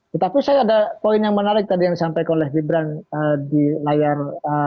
tetapi saya ada poin yang menarik tadi yang disampaikan oleh gibran di layar